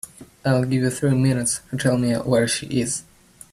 I'll give you three minutes to tell me where she is.